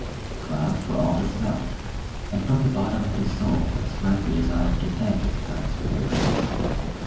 The clouds were all dispelled, and from the bottom of his soul there sprang the desire to thank his parents for their goodness.